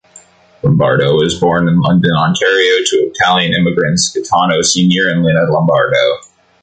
Lombardo was born in London, Ontario, to Italian immigrants, Gaetano Senior and Lena Lombardo.